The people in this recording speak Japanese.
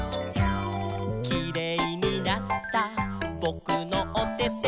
「キレイになったぼくのおてて」